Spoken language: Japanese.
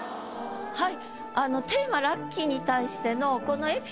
はい。